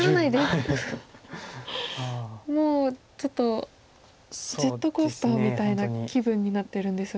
もうちょっとジェットコースターみたいな気分になってるんですが。